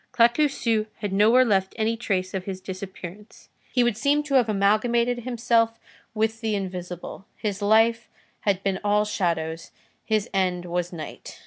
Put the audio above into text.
Claquesous had nowhere left any trace of his disappearance; he would seem to have amalgamated himself with the invisible. His life had been all shadows, his end was night.